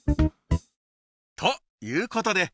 ということで。